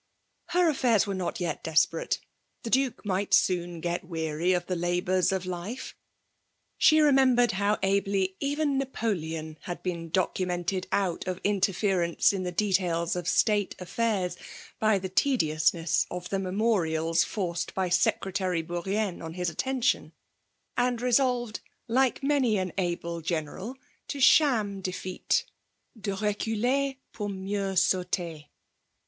Her affitirs were not yet desperate. Hie Dnkemigbt seon^ get weary of tbe labours of life. Sbe remembered bow aUy even Napo leon bad been documented out of interference in tbe details of state affieuxs^ by; the tedious mess of the' memoriabr forced by Secretary Bonrrienne* on: bis attention ; and resdlved, Ifloe many an able general, to sham defeats — de rieider pour mieux tauter.